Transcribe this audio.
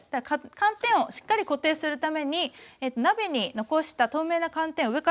寒天をしっかり固定するために鍋に残した透明な寒天を上からかけていきます。